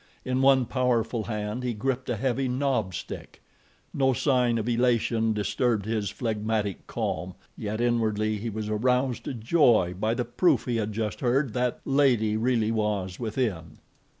In one powerful hand he gripped a heavy knob stick. No sign of elation disturbed his phlegmatic calm, yet inwardly he was aroused to joy by the proof he had just heard that "Lady" really was within.